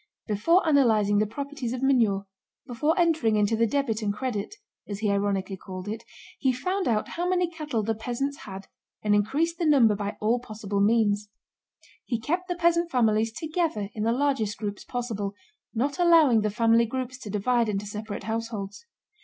Before analyzing the properties of manure, before entering into the debit and credit (as he ironically called it), he found out how many cattle the peasants had and increased the number by all possible means. He kept the peasant families together in the largest groups possible, not allowing the family groups to divide into separate households.